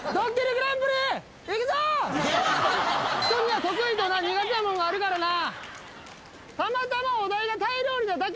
人には得意と苦手なもんがあるからな。